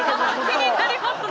気になりますね。